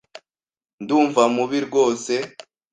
Ndumva mubi rwose.